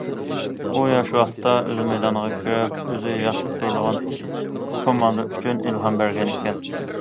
ئۇ ياش ۋاقتىدا ئۆزى مەيدانغا كىرىپ ئۆزى ياخشى كۆرىدىغان كوماندا ئۈچۈن ئىلھام بەرگەن ئىكەن.